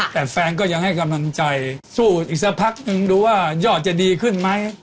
แต่แฟนก็ยังให้กำลังใจสู้อีกสักพักนึงดูว่ายอดจะดีขึ้นไหม